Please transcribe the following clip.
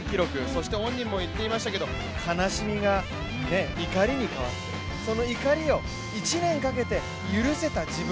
そして本人も言っていましたけれども悲しみが怒りに変わって、その怒りを１年かけて許せた自分。